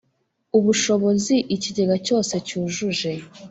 ubushobozi ikigega cyose cyujuje